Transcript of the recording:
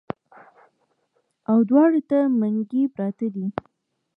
او دواړو ته منګي پراتۀ دي